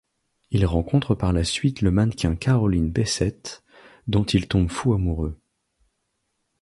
Il rencontre par la suite le mannequin Carolyn Bessette dont il tombe fou amoureux.